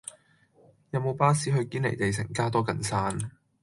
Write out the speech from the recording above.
有無巴士去堅尼地城加多近山